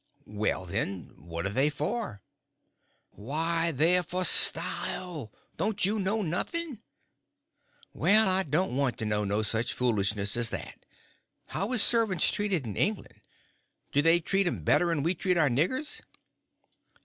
"Well, then, what are they for?" "Why, they're for style. Don't you know nothing?" "Well, I don't want to know no such foolishness as that. How is servants treated in England? Do they treat 'em better 'n we treat our niggers?"